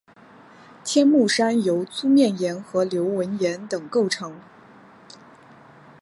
天目山由粗面岩和流纹岩等构成。